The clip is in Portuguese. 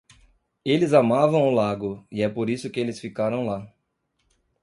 Eles amavam o lago, e é por isso que eles ficaram lá.